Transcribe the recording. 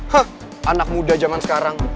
hah anak muda zaman sekarang